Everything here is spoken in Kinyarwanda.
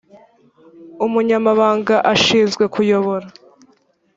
umunyamabanga ashinzwe kuyobora.